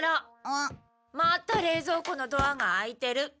んっ？また冷蔵庫のドアが開いてる。